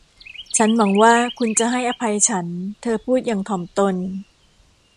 ฉันหวังว่าคุณจะให้อภัยฉันเธอพูดอย่างถ่อมตน